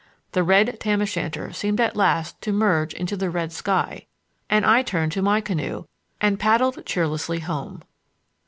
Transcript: The red tam o' shanter seemed at last to merge in the red sky, and I turned to my canoe and paddled cheerlessly home.